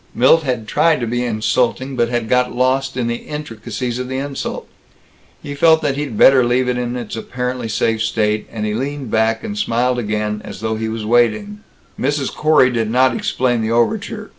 Milt had tried to be insulting, but had got lost in the intricacies of the insult. He felt that he'd better leave it in its apparently safe state, and he leaned back, and smiled again, as though he was waiting. Mrs. Corey did not explain the overture.